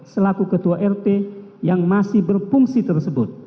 selaku ketua rt yang masih berfungsi tersebut